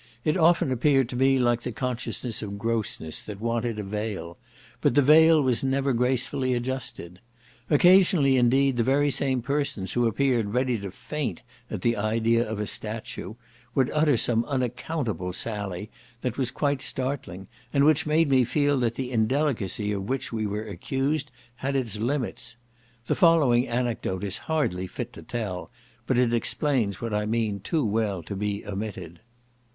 It often appeared to me like the consciousness of grossness, that wanted a veil; but the veil was never gracefully adjusted. Occasionally, indeed, the very same persons who appeared ready to faint at the idea of a statue, would utter some unaccountable sally that was quite startling, and which made me feel that the indelicacy of which we were accused had its limits. The following anecdote is hardly fit to tell, but it explains what I mean too well to be omitted.